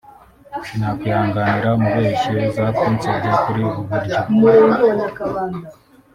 sinakwihanganira umubeshyi uza kunsebya kuri ubu buryo